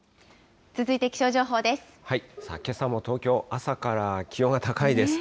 けさも東京、朝から気温が高いです。